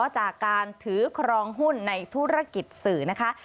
จากการถือครองหุ้นในธุรกิจสื่อนะคะ